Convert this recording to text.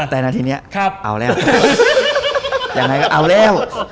แต่หน้าทีนี้เอาแล้ว